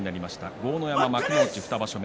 豪ノ山、幕内２場所目。